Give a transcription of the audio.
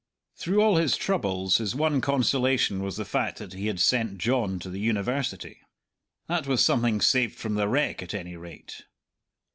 Through all his troubles his one consolation was the fact that he had sent John to the University. That was something saved from the wreck, at any rate.